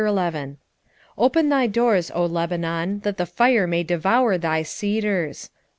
11:1 Open thy doors, O Lebanon, that the fire may devour thy cedars.